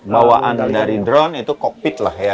bawaan dari drone itu kokpit lah ya